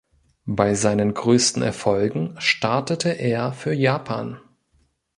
Bei seinen größten Erfolgen startete er für Japan.